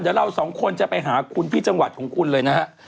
เดี๋ยวเราสองคนจะไปหาคุณที่จังหวัดของคุณเลยนะฮะ